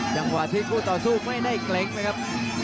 จังหวะที่คู่ต่อสู้ไม่ได้เกร็งนะครับ